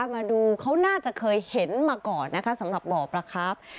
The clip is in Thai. มาดูเขาน่าจะเคยเห็นมาก่อนนะคะสำหรับบ่อปลาครับ